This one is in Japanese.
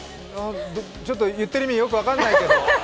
ちょっと言ってる意味、よく分かんないけど。